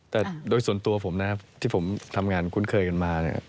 แต่โดยส่วนตัวผมนะครับที่ผมทำงานคุ้นเคยกันมา